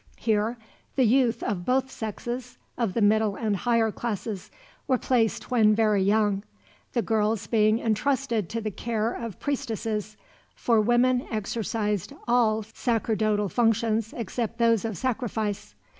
Here the youth of both sexes, of the middle and higher classes, were placed when very young; the girls being entrusted to the care of priestesses, for women exercised all sacerdotal functions except those of sacrifice.